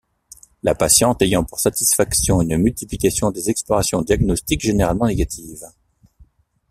La patiente ayant pour satisfaction une multiplication des explorations diagnostiques généralement négatives.